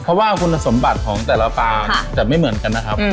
เพราะว่าคุณสมบัติของแต่ละปางจะไม่เหมือนกันนะครับ